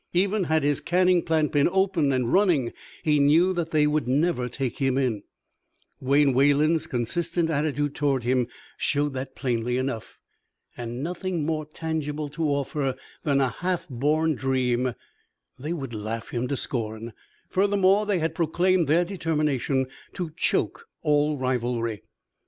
Even had his canning plant been open and running, he knew that they would never take him in; Wayne Wayland's consistent attitude toward him showed that plainly enough. And with nothing more tangible to offer than a half born dream, they would laugh him to scorn. Furthermore, they had proclaimed their determination to choke all rivalry.